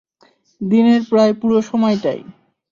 দিনের প্রায় পুরো সময়টাই।